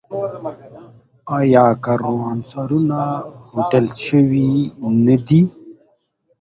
آیا کاروانسرایونه هوټل شوي نه دي؟